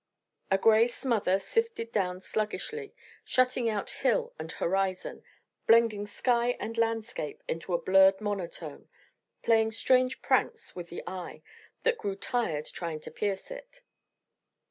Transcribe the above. A gray smother sifted down sluggishly, shutting out hill and horizon, blending sky and landscape into a blurred monotone, playing strange pranks with the eye that grew tired trying to pierce it.